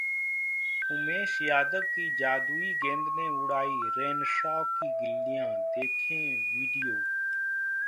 उमेश यादव की जादुई गेंद ने उड़ाई रेनशॉ की गिल्लियां, देखें वीडियो